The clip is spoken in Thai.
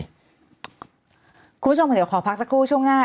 คุณผู้ชมค่ะเดี๋ยวขอพักสักครู่ช่วงหน้า